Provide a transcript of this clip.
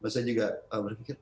saya juga berpikir